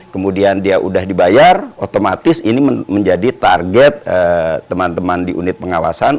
kemudian dia sudah dibayar otomatis ini menjadi target teman teman di unit pengawasan